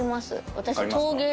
私。